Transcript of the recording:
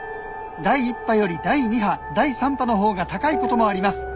第１波より第２波第３波の方が高いこともあります。